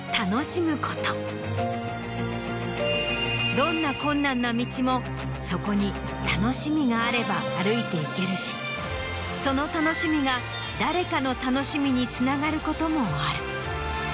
どんな困難な道もそこに楽しみがあれば歩いていけるしその楽しみが誰かの楽しみにつながることもある。